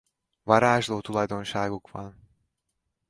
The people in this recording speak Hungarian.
Varázsló tulajdonságuk van.